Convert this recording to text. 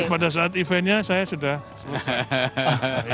pada saat eventnya saya sudah selesai